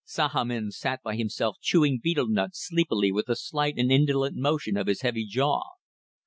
Sahamin sat by himself chewing betel nut sleepily with a slight and indolent motion of his heavy jaw.